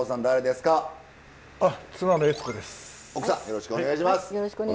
よろしくお願いします。